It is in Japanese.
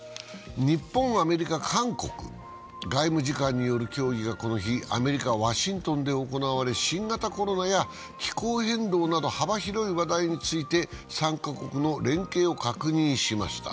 日本、アメリカ、韓国、外務次官による協議がこの日、アメリカ・ワシントンで行われ新型コロナや気候変動など幅広い話題について３カ国の連携を確認しました。